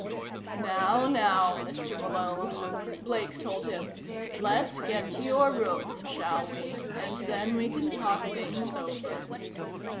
"Now, now, Mr. Malone," Blake told him. "Let's get to your room, shall we, and then we can talk things over."